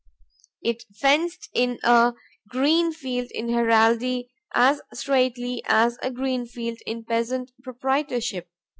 It fenced in a green field in heraldry as straitly as a green field in peasant proprietorship.